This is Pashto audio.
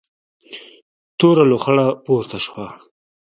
توره لوخړه پورته شوه.